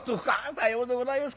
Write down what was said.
「さようでございますか。